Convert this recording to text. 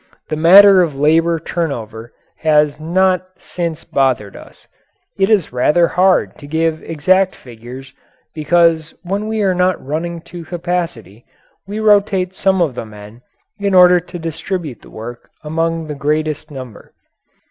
The matter of labour turnover has not since bothered us; it is rather hard to give exact figures because when we are not running to capacity, we rotate some of the men in order to distribute the work among greatest number.